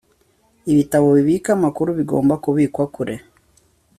ibitabo bibika amakuru bigomba kubikwa kure